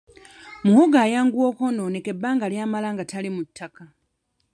Muwogo ayanguwa okwonooneka ebbanga ly'amala nga tali mu ttaka.